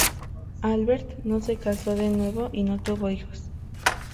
Albert no se casó de nuevo y no tuvo hijos.